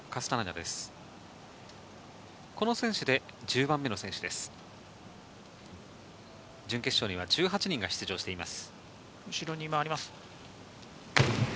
準決勝には１８人が出場しています。